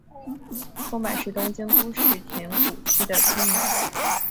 宫坂是东京都世田谷区的町名。